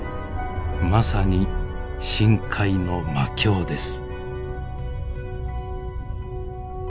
まさに深海の魔境です。